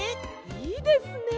いいですね。